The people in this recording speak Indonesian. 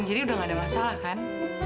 jadi udah nggak ada masalah kan